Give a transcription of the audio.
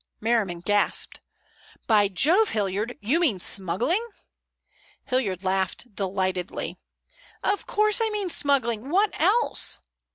Merriman gasped. "By Jove, Hilliard! You mean smuggling?" Hilliard laughed delightedly. "Of course I mean smuggling, what else?"